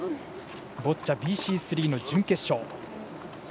ボッチャＢＣ３、準決勝。